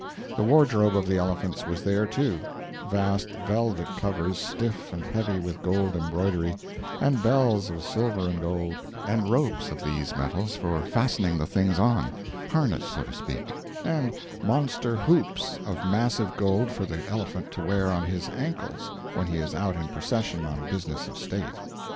The wardrobe of the elephants was there, too; vast velvet covers stiff and heavy with gold embroidery; and bells of silver and gold; and ropes of these metals for fastening the things on harness, so to speak; and monster hoops of massive gold for the elephant to wear on his ankles when he is out in procession on business of state.